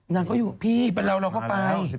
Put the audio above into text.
นางก็อยู่พี่เราเข้าไป